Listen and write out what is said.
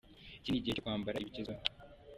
“Iki ni igihe cyo kwambara ibigezweho.